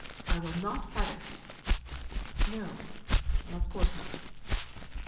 I will not have it." "No, of course not."